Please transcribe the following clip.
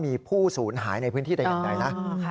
มีผู้สูญหายในพื้นที่ใดนะ